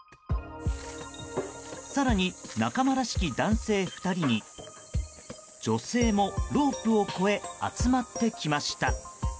更に、仲間らしき男性２人に女性もロープを越え集まってきました。